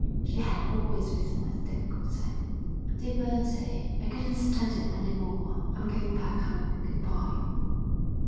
She had always written with difficulty: Dear Bertie: I couldn't stand it any more. _I'm going back home. Good bye.